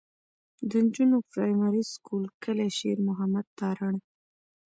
د نجونو پرائمري سکول کلي شېر محمد تارڼ.